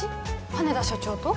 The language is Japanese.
羽田社長と？